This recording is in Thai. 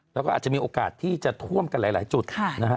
แล้วก็อาจจะมีโอกาสที่จะท่วมกันหลายจุดนะฮะ